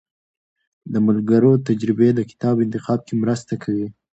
د ملګرو تجربې د کتاب انتخاب کې مرسته کوي.